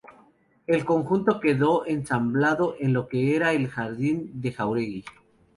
El conjunto quedó ensamblado en lo que era el jardín de Jáuregui.